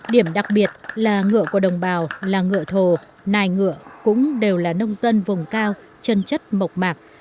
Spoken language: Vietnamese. điểm đặc biệt là ngựa của đồng bào là ngựa thổ nài ngựa cũng đều là nông dân vùng cao chân chất mộc mạc